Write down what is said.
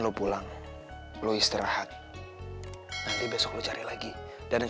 semuanya akan lebih terjadi